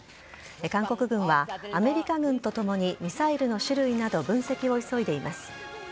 韓国軍は、アメリカ軍と共にミサイルの種類など分析を急いでいます。